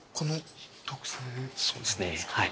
そうですねはい。